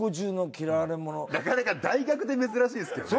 なかなか大学で珍しいですけどね。